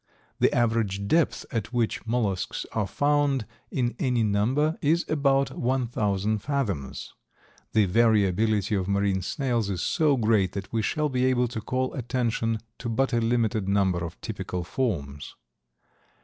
The average depth at which mollusks are found in any number is about one thousand fathoms. The variability of marine snails is so great that we shall be able to call attention to but a limited number of typical forms.